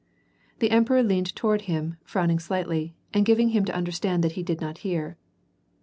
The emperor leaned toward him, frowning slightly, and giving him to understand that he did not hear.